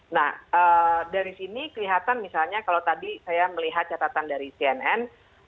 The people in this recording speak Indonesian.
nah dari sini kelihatan misalnya kalau tadi saya melihat catatan dari cnn